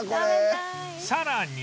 さらに